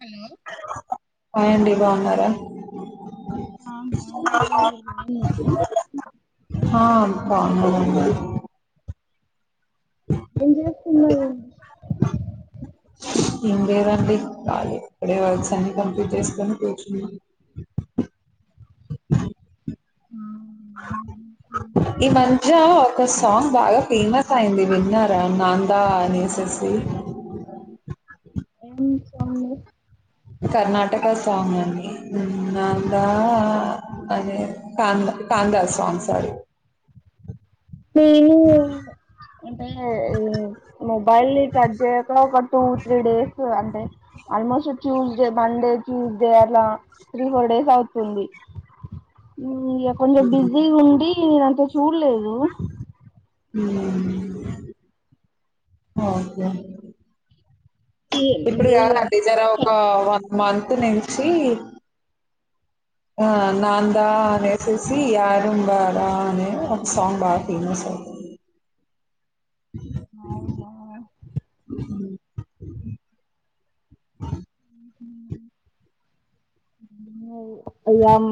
Hello హాయండి బాగున్నారా ఆ బాగున్నామండి మీరు బాగున్నారా హ బాగున్నామండి ఉన్న [unintelligible] బ్లాంక్ తిన్లేదండి ఇప్పుడే వర్స్ అన్ని కంప్లీట్ చేసుకొని కూర్చున్నా [unintelligible] ఈ మజ్య ఒక సాంగ్ బాగా ఫేమస్ అయింది విన్నారా నాందా అనేసేసి ఏం సాంగ్ కర్ణాటక సాంగ్ అండి నాందా అదే కాంద కాందా సాంగ్స్ సారి నేను అంటే ఈ మొబైల్ ని టచ్ చేయక ఒక టూ త్రీ డేస్ అం తె ఆల్మోస్ట్ ట్యూస్డే మండే ట్యూస్డే అట్లా త్రీ ఫోర్ డేస్ అవుతుంది ఉమ్ ఇగ కొంచెం బిజీగ ఉండి అంత చూళ్లేదు ఉమ్ ఓకే ఇప్పుడు అంటే ఇగ కాదాండి జర ఒక వన్ మంతు నుంచి ఆ నాందా అనేస్ చూసి ఆరూందారా అనే ఒక సాంగ్ బాగా ఫేమస్ అయి అవునా ఉమ్ బ్లాంక్ అయ్యాం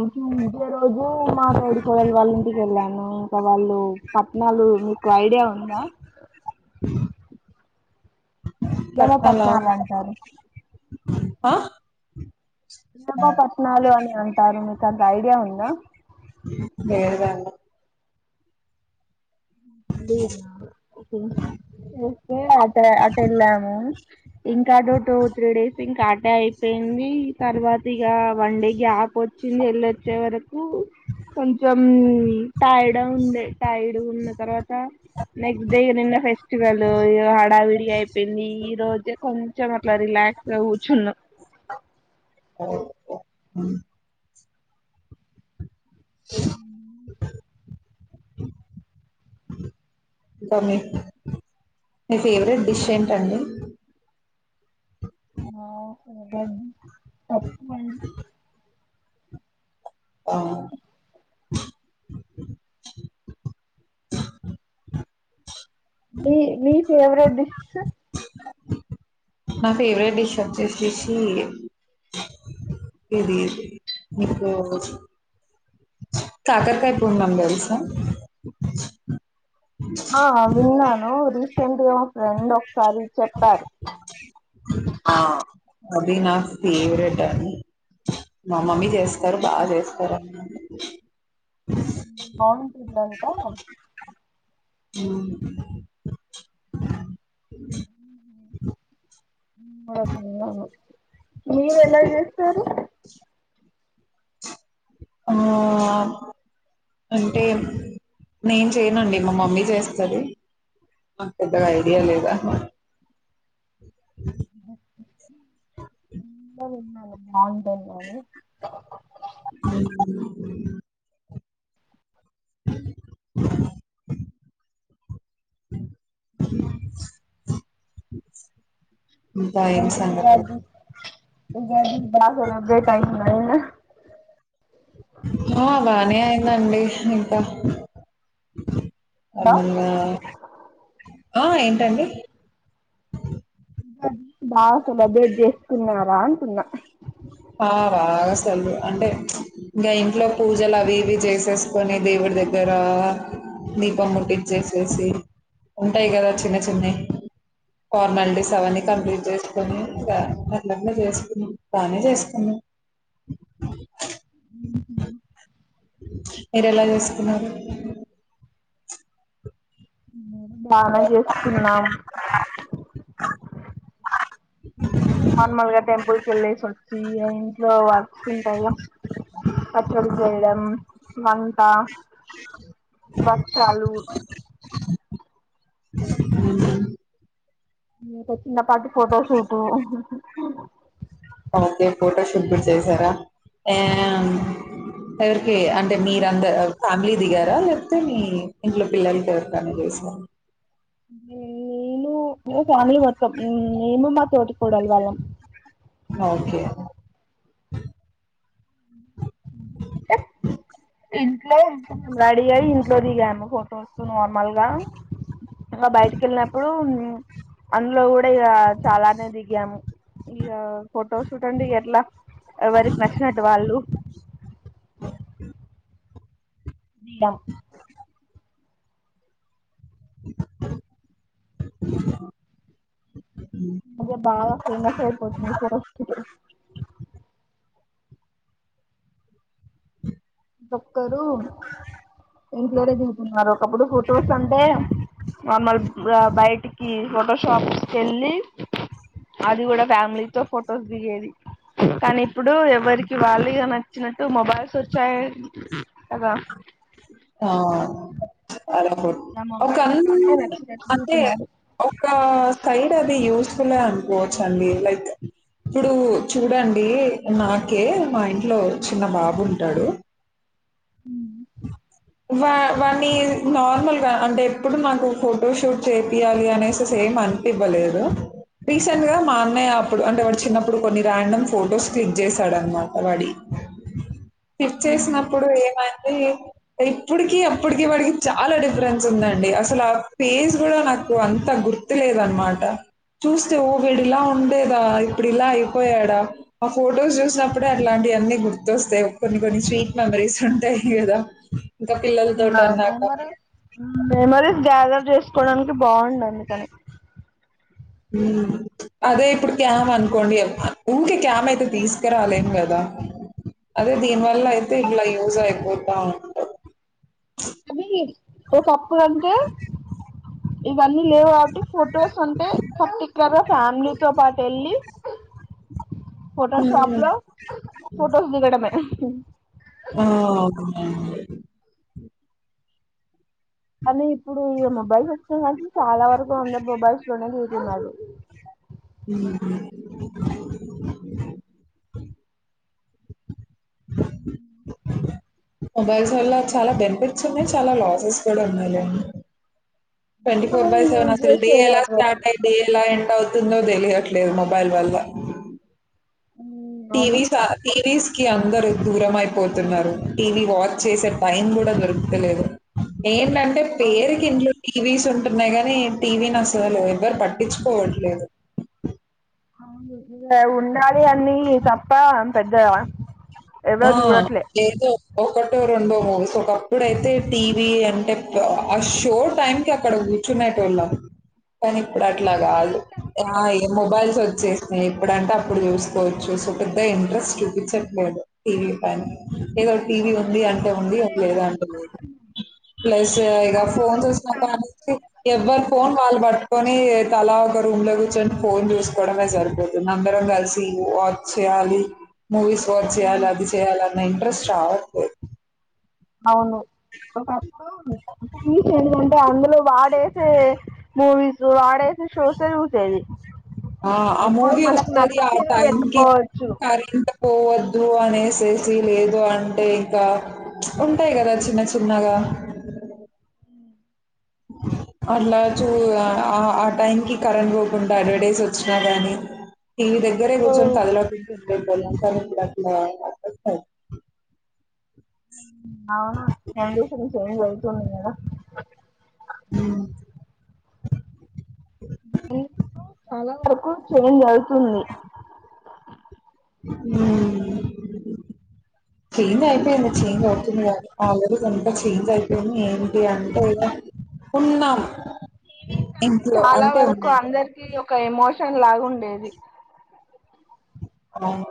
ఇదే రోజు మా తోటి కోడలి వాళ్ళ ఇంటికి వెళ్ళాను ఇక వాళ్ళు పట్నాలు మీకు ఐడియా ఉందా ఇలమ పట్నాలా పట్నాలు అంటారు అ బ్బపట్నాలు అని అంటారు మీక అంత ఐడియా ఉందా లేేదండి అట అటెలాము ఇంకాటో టూ త్రీ డేస్ ఇంకా అడానే అయిపోయింది తర్వాత ఇగ వన్ డే గ్యాప్ వచ్చింది వెళ్ళొచ్చే వరకు కొంచెం టైడ ఉండే టైడ్ ఉన్న తర్వాత నెక్స్ట్ డే నిన్న ఫెస్టివల్ హడావిడి అయిపోయింది ఈ రో కొంచం అట్ల రిలాక్స్గా కూర్చున్న ఉహ్మ్ ఉమ్ ఇంకా మీ ఫేవరెట్ డిష్ ఏంటండి [inaudible] ఆ మీ మి ఫేవరెట్ డిష్ నా ఫేవరెట్ డిష్ వచ్చేచేసి ఇది ఇదో కాకరకాయ పూర్ణం తెల్సా ఆ విన్నాను రీసెంట్గా మా ఫ్రెండ్ ఒకసారి చెప్పారు ఆ అది నా ఫేవరెట్ అని మా మమ్మీ చేస్తారు బాచేస్తారు అండీ బావుంటుందంట ఉమ్ మీరు ఎలా చేస్తారు ఆ అంటే నేను చేయనండి మా మమ్మీ చేస్తది పెద్దగా ఐడియా లేదా [inaudible] బావుంటుంది అది ఇంకా ఏం [unintelligible] సంగతులు ఉగాది బా సెలెబ్రేట్ అయిందా ఇడా ఆ బానే అయిందండి ఇంకా బా ఆ ఏంటండి బా సెలబ్రేట్ చేసుకున్నారా అంటున్నా ఆ బాగా సెల అంటే ఇంకా ఇంట్లో పూజలు అవి ఇవి చేసేస్కొని దేవుడి దగ్గ ర దీపం ముట్టించేసేసి ఉంటాయి కదా చిన్న చిన్నయ్ ఫార్మాలిటీస్ అవన్నీ కంప్లీట్ చేసుకొని ఇగ పనులన్నీ చేసుకున్నాం బానే చేసుకున్నాం మీరెలా చేసుకున్నారు బాగా చేసుకున్నాం నార్మల్గా టెంపుల్కెళ్ళేసి వచ్చి ఇగ ఇంట్లో వర్క్స్ ఉంటాయిగా పచ్చడి చేయడం వంట బచ్చాలూ ఉహు ఇ ఇంకా చిన్నపాటి పోటోషూట్ ఓకే ఫోటోషూట్ లు చేసారా అంటే మీరందర్ ఫ్యామిలీ దిగారా లేకపోతే మీ ఇంట్లో పిల్లలకి ఎవరికైనా చేసర నేను ఇగ ఫ్యామిలీ మొత్తం ఉమ్ నేను మ తోడికోడలి వళ్ళం ఓకే అంటే ఇట్లే నార్మల్గా ఇగ బైటికెల్నప్పుడు అందులో గుడా ఇగా చాలానే దిగాము ఇగా ఫోటో షూట్ అంటే ఎట్లా ఎవరకినచినట్టులు వాళ్ళు దిగం ఇగ బాగా ఫేమస్ అయిపోతుంది ఫోటోషూట్ కీ తొక్కరూ ఇంట్లోనే దిగుతున్నారు ఒక్కప్పుడు ఫోటోసంటే నార్మల్ బా బైటికి ఫోటో షాప్ కెల్లీ అది గుడా ఫ్యామిలీతో ఫొటోస్ దిగేది కానీప్పుడు ఎవరికి వాళ్ళిగా నచ్చినట్టు మొబైల్స్ ఒచ్చాయ్ ఆ ఇలా ఒక మొబైల్స్ అణువు లోనే నచ్చినట్టు అంతే దిగుతున్నారు ఒక స్థై అది యూస్ఫులే అన్కో ఓచ్చండి లైక్ ఇప్పుడు చూడండి నాకే మా ఇంట్లో చిన్న బాబుంటాడు ఉమ్ వా వన్నీ నార్మల్గా అంటేప్పుడు నాకు ఫోటో షూట్ చేపియ్యాలి అనేసి సే ఏం అన్పివ్వలేదు రీసెంట్గా మా అన్నయ్య అప్పుడు అంటే వాడి చిన్నప్పుడు కొన్ని రాండమ్ ఫొటోస్ స్టిక్ జేశాడన్మాట వడియి పిక్ చేసినప్పుడు ఏమందీ ఇప్పుడికి అప్పుడికి వాడికి చాలా డిఫరెన్స్ ఉందండి అసల పేజ్ గుడా నాకు అంత గుర్త్ గుర్తులేదన్మాట చూస్తే ఓ వీడిలా ఉండేదా ఇప్పుడిలా ఐపోయాడా ఆ ఫొటోస్ జుస్నప్పుడే అట్లాంట్ ఇఅన్ని గుర్తొస్తయ్ కొన్ని కొన్ని స్వీట్ మెమరీస్ ఉంటయ్ గదా ఇంకా ఆ పిల్లలతోటన్నాక. మెమరీ మ్ మెమరీ గ్యాదర్ జేస్కోడానికి బావుండ్ అంద్ కనీ ఉమ్ అదే ఇప్పుడు క్యామ్ అనుకోండి ఊకే క్యామ్ ఐతే తీస్కరాలెం కదా అదే దీన్వల్లైతే ఇట్లా యూజ్ అయిపో బావుండు ఒకప్పుడన్కో ఇవన్నీ లేవు కావట్టి ఫోటోస్ అంటే పట్టిక్లర్గా ఫ్యామ్లీతో పాటెళ్ళి ఫోటో షాప్ హ్మ్. లో ఫొటోస్ దిగడమే ఆ మళ్లీ ఇప్పుడు ఇగ మొబైల్స్ ఒచ్చినయ్ కావట్టి చాలా వరకు అందర్ మొబైల్స్ లోనే జూస్త్ ఉన్నాడు ఉమ్ హ్ మొబైల్స్ వల్ల చలా బెనిఫిట్స్ ఉన్నాయ్ చలా లాసెస్ కుడా ఉన్నాయ్ లెండ్ ట్వంటీ ఫోర్ మనం బై సెవెన్ యూజ్ అసల్ డే చేసే ఎలా దాన్ని బట్టి స్టార్ట్ టై డే ఎలా ఎండ్ ఔత్ ఉన్నయ్ దేలియట్లేద్ మొబైల్ వల్లా అవును టీవీస్ ఆ టీవీస్ కి అందరు దూరమైపోతున్నారు టీవీ వాచ్చేసే టైం గుడా దొరుక్తలేదు ఎందంటే పేరుకింట్లుండి టీవీసుంటున్నాయి గానీ టీవీ నసల్ ఎవ్వర్ పట్టించుకోవట్లేదు. ఉండా ఉండాలి అన్నీ తప్ప పెద్ద ఆ ఆ ఏదో ఒకట్ రెండో మూవీస్ ఒకప్పుడైతే టీవీ అంటే పాష్ షో టైమ్కి అక్కడున్ కూర్చునెటొళ్ళం కానీ ఇప్పుడు అట్లా కాదు ఏమాయ మొబైల్స్ వ చ్చేసినయి ఎప్పుడంటే అప్పుడు చూసుకోవచ్చు సో పెద్ద ఇంట్రెస్ట్ చూపించట్లేదు టీవీ ఏదో టీవీ ఉంది అంటె ఉంది అది లేదా అంటె లేదు ప్లస్ ఇక ఫోన్ చూసిన దానికి ఎవ్వరు ఫోన్ వాళ్ళు పట్ట కొని తలా ఒక రూమ్ లో కూర్చొని ఫోన్ చూసుకోవడమే జరుగుతుంది. అందరం కలిసి వాచ్ చే కాలి మూవీస్ వాచ్ చేయాలి అది చేయాలన్న ఇంట్రెస్ట్ రావట్లే అవును ఒకప్పుడు ఈ చేన్ల ఉంటె అంది లో వాడేసే మూవీస్ వాడేసే షోస్ హే చూసేది ఆ ఇప్పుడు అమూవి మనకు వస్తది ఆ నచ్చింది టైంకి పెట్టుకోవచ్చు కరంట్ పోవద్ అనేసేసి లేదు అంటే ఇంక ఉంటాయి కదా చిన్న చిన్నగా బ్లాంక్ అట్లా చూ ఆ ఆ టైంకి కరెంట్ పోకుండా అడ్వాటేజ్ వచ్చినా కానీ టీవి దగ్గరే కూర్చొని తలలో పెంచు బొలం కా ఇట్లా అవునా [unintelligible] జరుగుతుండి కదా ఊమ్ ఎందుకు చాలా వరకు చేంజ్ అవుతుంది ఊమ్ చేంజ్ అయిపోయింది చేంజ్ అవుతుంది కద ఆల్రెడీ ఇంత చేంజ్ అయిపోయింది ఏంటి అంటే ఇక ఉన్నాం. మూవీస్ అంటే ఇంట్లో చాలా అంటే వరకు ఉన్నాం అందరికి ఒక ఎమోషన్ లాగా ఉండేది. అవును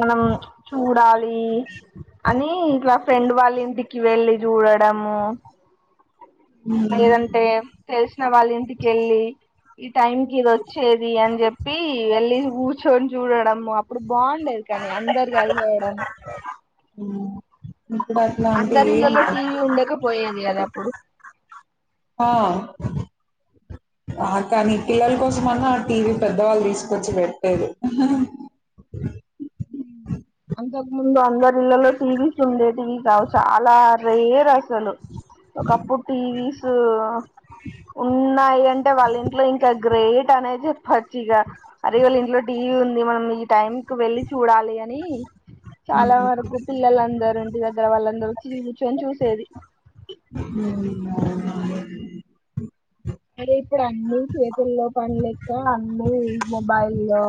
మనం చూడాలి అని ఇట్లా ఫ్రెండ్ వాళ్ళ ఇంటికి వెళ్ళి చూడడము హ్మ్ లేదంటే తెలిసిన వాళ్ళ ఇంటికెళ్లి టైం కి ఇది ఓచ్చేది అని చెప్పి వెళ్ళి కూర్చొని చూడడం అప్పుడు బాగుండెది. కని అందరు కలివేయడం ఉ అందరిళ్ళల్లో టీవీ ఉండక పోయేది కదా అప్పుడు ఆ కానీ పిల్లల కోసమన్నా ఆ టీవీ పెద్దవాళ్ళు తీసుకొచ్చి పెట్టలేదు. హాహా అంతకముందు అందరిళ్లల్లో టీవీస్ ఉండేటివి కావు. చాలా రేర్ అసలు ఒకప్పుడు టీవీసూ ఉన్నాయి అంటే వాళ్ళింట్లో ఇంకా గ్రేట్ అనేది పచ్చిక అరే వాళ్ళ ఇంట్లో టీవీ ఉంది మనం ఈ టైం కి చూడాలి అని చాలా హ్మ్ వరకు పిల్లలందరు వాళ్ళందరచ్చి కూర్చొని చూసేది అవునండి అదే ఇప్పుడు అన్ని చేతుల్లో పని లెక్క అన్ని మొబైల్లో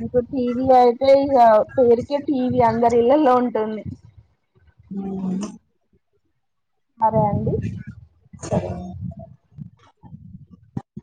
ఇంక టీవీ అయితే ఇక పేరుకే టీవీ అందరి ఇళ్లలో ఉంటుంది ఉ సరే అండి సరేన్